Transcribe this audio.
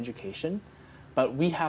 jadi kenapa tidak